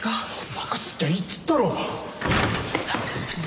任しときゃいいっつったろ。